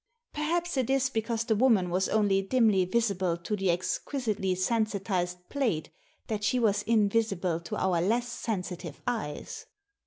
" Perhaps it is because the woman was only dimly visible to the exquisitely sensitised plate that she was invisible to our less sensitive eyes."